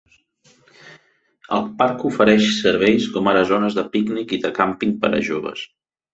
El parc ofereix serveis com ara zones de pícnic i de càmping per a joves.